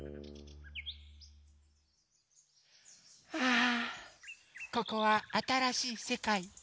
あここはあたらしいせかい。